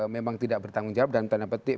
memang tidak bertanggung jawab dalam tanda petik